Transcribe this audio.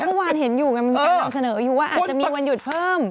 เมื่อวานเห็นอยู่ไงมันมีการนำเสนออยู่ว่าอาจจะมีวันหยุดเพิ่ม